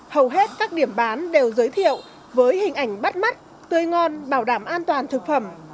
hầu hết các điểm bán đều giới thiệu với hình ảnh bắt mắt tươi ngon bảo đảm an toàn thực phẩm